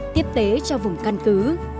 tiếp tế cho vùng căn cứ